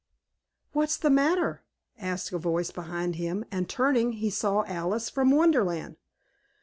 "What's the matter?" asked a voice behind him, and turning, he saw Alice from Wonderland.